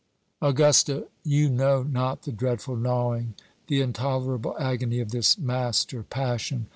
"Augusta, you know not the dreadful gnawing, the intolerable agony of this master passion.